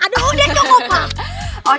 aduh udah koko pak